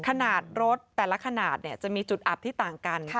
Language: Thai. ขนาดรถแต่ละขนาดจะมีจุดอับที่ต่างกัน